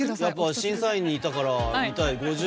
審査員にいたから見たい。